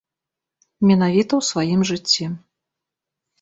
Менавіта ў сваім жыцці.